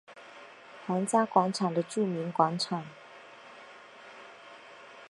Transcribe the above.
皇家广场的著名广场。